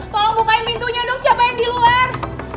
tolong bukain pintunya dong siapa yang di luar